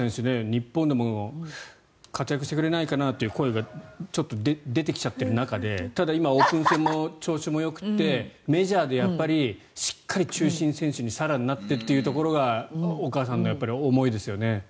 日本でも活躍してくれないかなという声がちょっと出てきちゃってる中でただ、今オープン戦も調子もよくてメジャーでしっかり中心選手に更になってというところがお母さんの思いですよね。